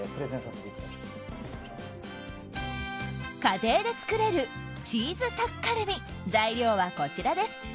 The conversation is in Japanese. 家庭で作れるチーズタッカルビ材料はこちらです。